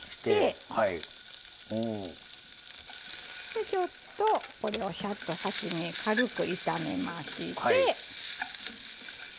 でちょっとこれをシャッと先に軽く炒めまして。